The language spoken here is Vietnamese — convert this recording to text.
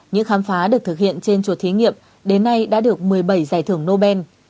những khám phá được thực hiện trên chuột thí nghiệm đến nay đã được một mươi bảy giải thưởng nobel